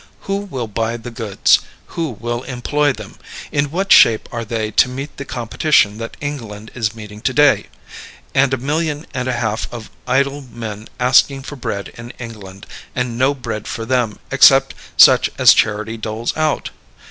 Who will buy the goods? Who will employ them? In what shape are they to meet the competition that England is meeting to day? And a million and a half of idle men asking for bread in England, and no bread for them except such as charity doles out.